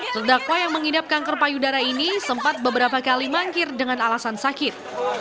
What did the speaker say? sedakwa yang mengidap kanker payudara ini sempat beberapa kali mangkir dengan alasan sakit